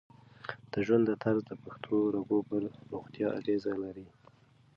د ژوند طرز د پښتورګو پر روغتیا اغېز لري.